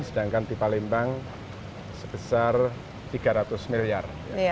sedangkan di palembang sebesar tiga ratus miliar